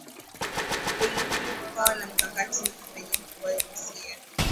ni muhimu kukawa na mkakati wenye uhalisia